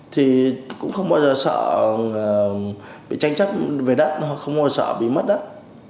thì cũng không bao giờ sợ bị tranh chấp về đất không bao giờ sợ bị mất đất